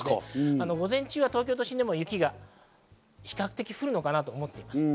午前中は東京都心でも雪が比較的降るのかなと思っています。